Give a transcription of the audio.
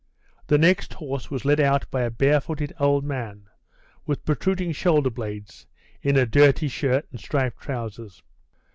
The next horse was led out by a barefooted old man, with protruding shoulder blades, in a dirty shirt and striped trousers.